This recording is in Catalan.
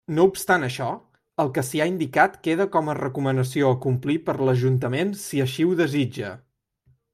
No obstant això, el que s'hi ha indicat queda com a recomanació a complir per l'ajuntament si així ho desitja.